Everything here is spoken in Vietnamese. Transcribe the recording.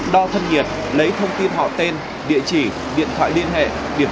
đo thân nhiệt lấy thông tin họ tên địa chỉ điện thoại liên hệ